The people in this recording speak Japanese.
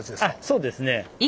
そうですね。